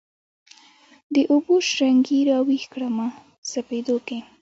د اوبو شرنګي راویښ کړمه سپېدو کښي